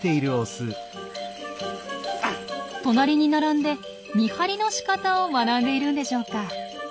隣に並んで「見張り」のしかたを学んでいるんでしょうか？